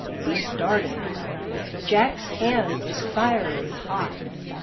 He started; Jack's hand was fiery hot.